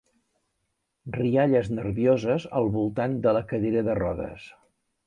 Rialles nervioses al voltant de la cadira de rodes.